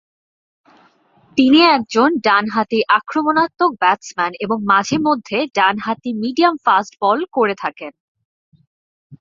তিনি একজন ডানহাতি আক্রমণাত্মক ব্যাটসম্যান এবং মাঝে মধ্যে ডান হাতি মিডিয়াম ফাস্ট বলে করে থাকেন।